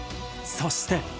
そして。